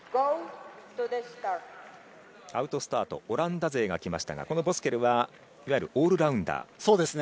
オランダ勢が来ましたがこのボスケルはいわゆるオールラウンダー。